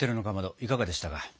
いかがでしたか。